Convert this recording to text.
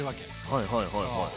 はいはいはいはい。